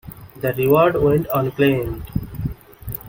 The reward went unclaimed.